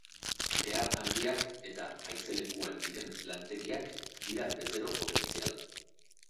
Behar handiak eta haizelekuan diren lantegiak dira bezero potentzial.